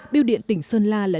bưu điện tỉnh sơn la